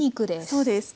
そうです。